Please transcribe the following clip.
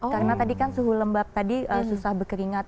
karena tadi kan suhu lembab tadi susah berkeringat